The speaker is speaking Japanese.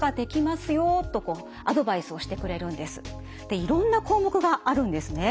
でいろんな項目があるんですね。